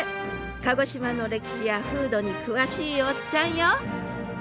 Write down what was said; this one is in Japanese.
鹿児島の歴史や風土に詳しいおっちゃんよ！